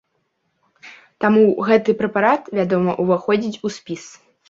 Таму гэты прэпарат, вядома, уваходзіць у спіс.